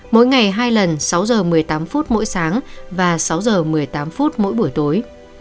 mỗi ngày hai lần sáu giờ một mươi tám phút mỗi sáng và sáu giờ một mươi tám phút mỗi buổi tối